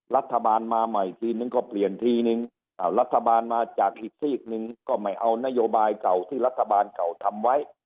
รัฐบาลมาใหม่ทีนึงก็เปลี่ยนทีนึงรัฐบาลมาจากอีกซีกหนึ่งก็ไม่เอานโยบายเก่าที่รัฐบาลเก่าทำไว้